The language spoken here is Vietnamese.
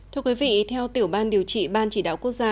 thưa quý vị theo tiểu ban điều trị ban chỉ đạo quốc gia